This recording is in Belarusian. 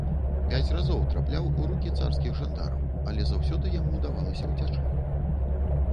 Пяць разоў трапляў у рукі царскіх жандараў, але заўсёды яму ўдавалася ўцячы.